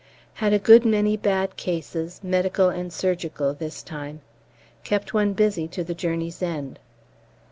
Had a good many bad cases, medical and surgical, this time: kept one busy to the journey's end.